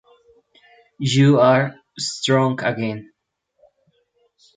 You are strong again.